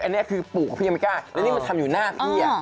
นี่มันทำอยู่หน้าพี่